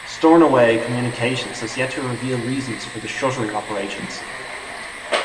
Stornoway Communications has yet to reveal reasons for the shuttering operations.